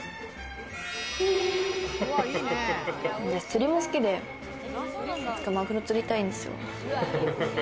釣りも好きで、いつかマグロ釣りたいんですよ。